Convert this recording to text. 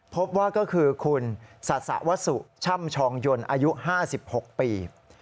พบว่าก็คือคุณศาสะวสุช่ำชองยนต์อายุ๕๖ปี